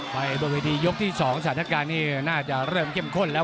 บนเวทียกที่๒สถานการณ์นี้น่าจะเริ่มเข้มข้นแล้ว